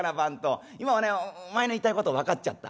今ねお前の言いたいこと分かっちゃった。